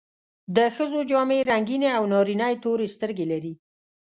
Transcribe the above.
د ښځو جامې رنګینې او نارینه یې تورې سترګې لري.